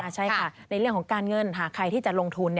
ใช่ค่ะในเรื่องของการเงินหากใครที่จะลงทุน